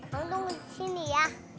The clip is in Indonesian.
kamu tunggu disini ya